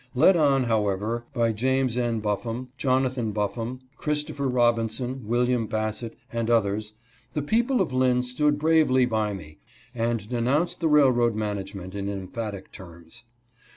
Led on, however, by James N. Buffum, Jonathan Buffum, Chris topher Robinson, William Bassett, and others, the people of Lynn stood bravely by me and denounced the railroad management in emphatic terms.